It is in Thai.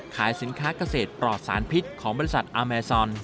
ขายสินค้าเกษตรปลอดสารพิษของบริษัทอาแมซอน